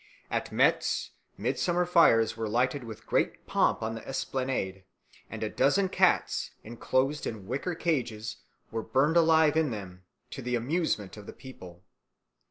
At Metz midsummer fires were lighted with great pomp on the esplanade, and a dozen cats, enclosed in wicker cages, were burned alive in them, to the amusement of the people.